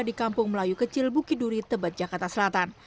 di kampung melayu kecil bukiduri tebet jakarta selatan